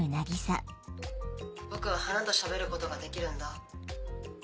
僕は花と喋ることができるんだ。